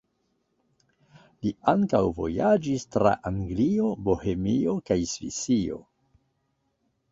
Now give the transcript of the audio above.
Li ankaŭ vojaĝis tra Anglio, Bohemio kaj Svisio.